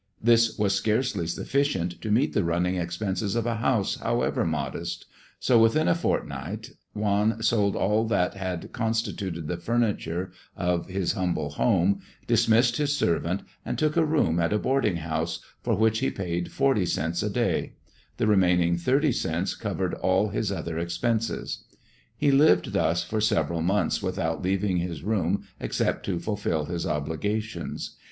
This was scarcely sufficient to meet the running expenses of a house, however modest; so within a fortnight Juan sold all that had constituted the furniture of his humble home, dismissed his servant, and took a room at a boarding house, for which he paid forty cents a day; the remaining thirty cents covered all his other expenses. He lived thus for several months without leaving his room except to fulfil his obligations.